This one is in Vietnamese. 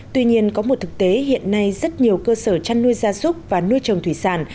tuy nhiên có một thực tế hiện nay rất nhiều cơ sở chăn nuôi gia súc và nuôi trồng thủy sản